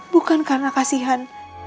bukan karena kasihan